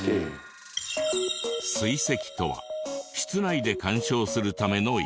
水石とは室内で鑑賞するための石。